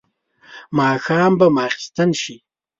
ماښام به ماخستن شي.